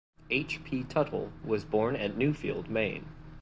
H. P. Tuttle was born at Newfield, Maine.